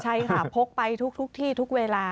ใช่ค่ะพกไปทุกที่ทุกเวลา